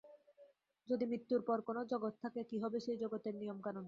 যদি মৃত্যুর পর কোনো জগৎ থাকে কী হবে সেই জগতের নিয়ম কানুন?